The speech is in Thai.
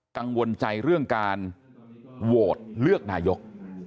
กังวลใจเรื่องการโหวตเลือกนายก